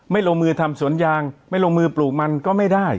ลงมือทำสวนยางไม่ลงมือปลูกมันก็ไม่ได้